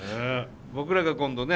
僕らが今度ね